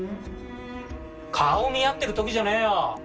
顔を見合ってる時じゃねえよ！